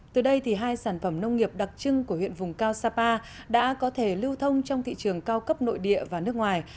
từ đây hai sản phẩm nông nghiệp đặc trưng của huyện vùng cao sapa đã có thể lưu thông trong thị trường cao cấp nội địa và nước ngoài